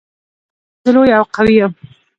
ونې ویل چې زه لویه او قوي یم.